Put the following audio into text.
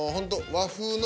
和風の。